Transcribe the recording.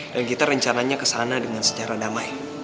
dan kita rencananya kesana dengan secara damai